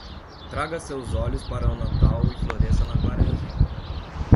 Traga seus olhos para o Natal e floresça na Quaresma.